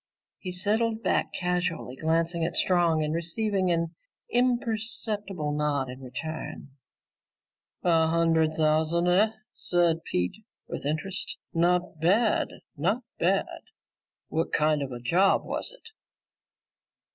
He settled back, casually glancing at Strong and receiving an imperceptible nod in return. "A hundred thousand, eh?" said Pete with interest. "Not bad, not bad. What kind of a job was it?"